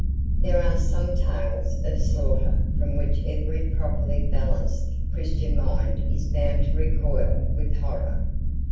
There are some tales of slaughter from which every properly balanced Christian mind is bound to recoil with horror.